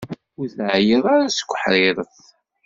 Ur teɛyiḍ ara seg uḥṛiṛet?